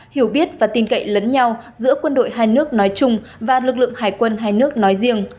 hiểu biết và tin cậy lẫn nhau giữa quân đội hai nước nói chung và lực lượng hải quân hai nước nói riêng